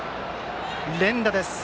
連打です。